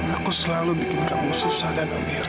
aku selalu bikin kamu susah dan ambiar